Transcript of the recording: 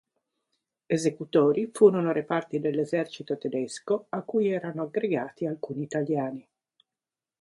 Esecutori furono reparti dell'esercito tedesco a cui erano aggregati alcuni italiani.